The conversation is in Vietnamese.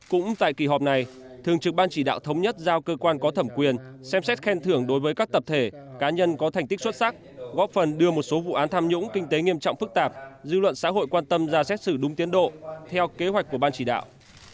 cũng tại kỳ họp này thường trực ban chỉ đạo thống nhất giao cơ quan có thẩm quyền xem xét khen thưởng đối với các tập thể cá nhân có thành tích xuất sắc góp phần đưa một số vụ án tham nhũng kinh tế nghiêm trọng phức tạp dư luận xã hội quan tâm ra xét xử đúng tiến độ theo kế hoạch của ban chỉ đạo